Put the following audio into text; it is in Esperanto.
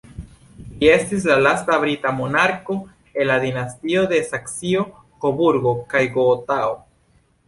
Li estis la lasta brita monarko el la dinastio de Saksio-Koburgo kaj Gotao.